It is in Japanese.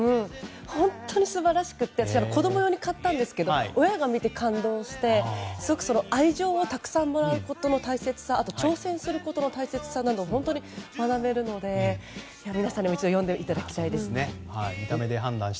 本当に素晴らしくて子供用に買ったんですけど親が見て感動してすごく愛情をたくさんもらうことの大切さあと挑戦することの大切さなどが本当に学べるので皆さんにも一度読んでいただきたいですね。